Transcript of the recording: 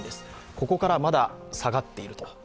ここからまだ下がっている。